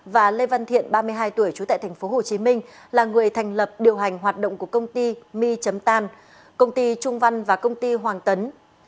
và lê văn thiện ba mươi hai tuổi trú tại tp hcm là người thành lập điều hành hoạt động của công ty my tam công ty trung văn và công ty hoàng tấn